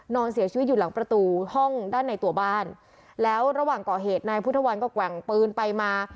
นอนเสียชีวิตอยู่หลังประตูห้องด้านในตัวบ้านแล้วระหว่างก่อเหตุนายพุทธวันก็แกว่งปืนไปมา